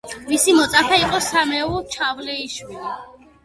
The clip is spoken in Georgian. მისი მოწაფე იყო სამუელ ჩავლეიშვილი.